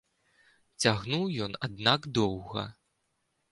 Цягнуў ён, аднак, доўга.